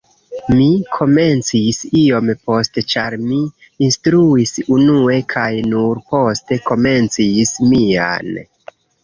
Mi komencis iom poste ĉar mi instruis unue kaj nur poste komencis mian